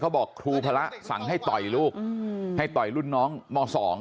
บอกครูพระสั่งให้ต่อยลูกให้ต่อยรุ่นน้องม๒